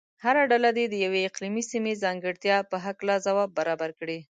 هره ډله دې د یوې اقلیمي سیمې ځانګړتیا په هلکه ځواب برابر کړي.